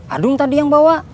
adung tadi yang bawa